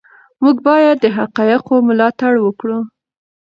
موږ باید د حقایقو ملاتړ وکړو.